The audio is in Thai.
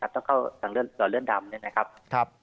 ต้องเข้าต่อเลือดดำนะครับ